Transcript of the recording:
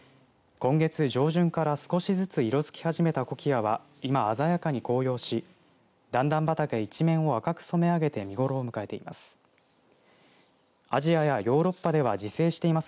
今月上旬から少しずつ色づき始めたコキアは今、鮮やかに紅葉し段々畑一面を赤く染め上げて見頃を迎えています。